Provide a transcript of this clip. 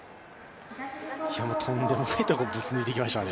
とんでもないところ、ぶち抜いていきましたね。